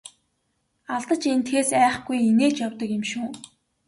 Алдаж эндэхээс айхгүй инээж явдаг юм шүү!